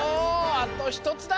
あとひとつだ！